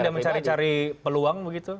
tidak mencari cari peluang begitu